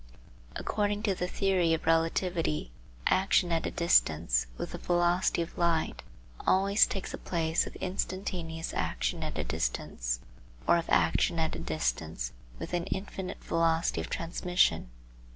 According to the theory of relativity, action at a distance with the velocity of light always takes the place of instantaneous action at a distance or of action at a distance with an infinite velocity of transmission.